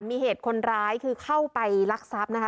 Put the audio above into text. มีเหตุคนร้ายคือเข้าไปลักทรัพย์นะคะ